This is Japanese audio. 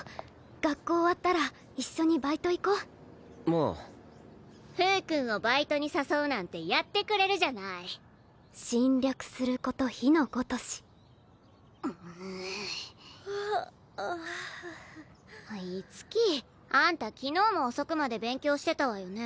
学校終わったら一緒にバイト行こああフー君をバイトに誘うなんてやってくれるじゃない侵略すること火の如しふわあ五月あんた昨日も遅くまで勉強してたわよね